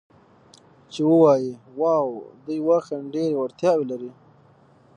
چې ووایي: 'واو، دوی واقعاً ډېرې وړتیاوې لري.